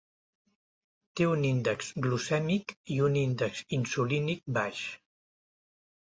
Té un índex glucèmic i un índex insulínic baix.